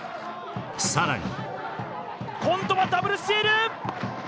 さらに今度はダブルスチール！